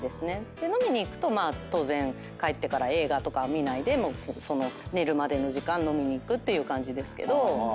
で飲みに行くと当然帰ってから映画とかは見ないで寝るまでの時間飲みに行くっていう感じですけど。